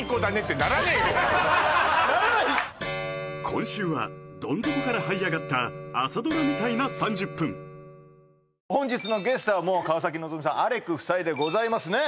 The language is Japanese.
今週はどん底からはい上がった朝ドラみたいな３０分本日のゲストはもう川崎希さんアレク夫妻でございますね